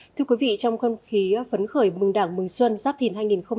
thưa quý vị trong khuôn khí phấn khởi mừng đảng mừng xuân sắp thìn hai nghìn hai mươi bốn